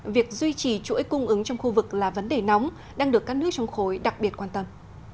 việc duy trì chuỗi cung ứng trong khu vực là vấn đề nóng đang được các nước trong khối đặc biệt quan tâm